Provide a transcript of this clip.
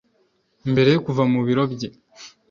Mbere yo kuva mu biro bye